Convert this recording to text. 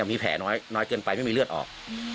มีแผลน้อยเกินไปไม่มีเลือดออก